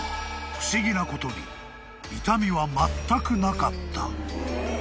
不思議なことに痛みはまったくなかった］